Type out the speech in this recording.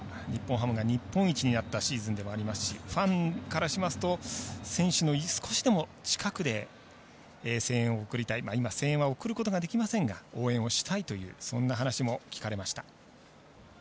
２００６年からということは日本ハムが日本一になったシーズンからということですしファンからしますと選手の少しでも近くで声援を送りたい、今は声援を送ることはできませんが応援したいというそんな声も聞かれました。